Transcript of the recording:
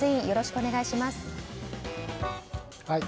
よろしくお願いします。